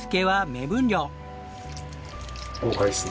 はい。